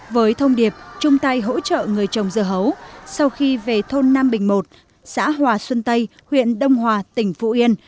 với thông điệp chung tay hỗ trợ người trồng dưa hấu sau khi về thôn nam bình một xã hòa xuân tây huyện đông hòa tỉnh phú yên